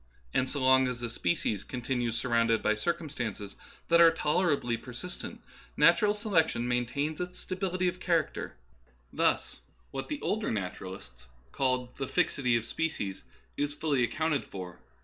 And so long as a species continues surrounded by circumstances that are tolerably persistent, natural selection maintains its stability of char acter. Thus what the older naturalists called the '' fixity of species " is fully accounted for.